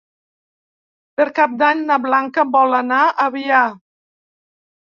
Per Cap d'Any na Blanca vol anar a Avià.